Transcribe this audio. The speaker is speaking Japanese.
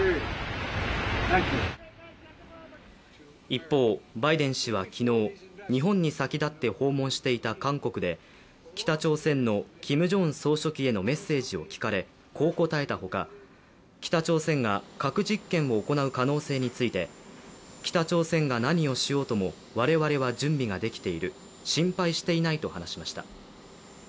一方、バイデン氏は昨日、日本に先立って訪問していた韓国で北朝鮮のキム・ジョンウン総書記へのメッセージを聞かれこう答えたほか、北朝鮮が核実験を行う可能性について北朝鮮が何をしようとも我々は準備ができている心配していないと話しました。